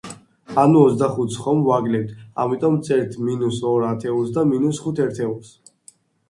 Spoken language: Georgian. ანუ ოცდახუთს ხომ ვაკლებთ, ამიტომ ვწერთ მინუს ორ ათეულს და მინუს ხუთ ერთეულს.